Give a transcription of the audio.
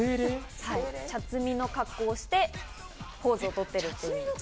茶摘みの格好をしてポーズを取っています。